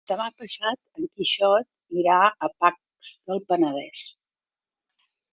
Demà passat en Quixot irà a Pacs del Penedès.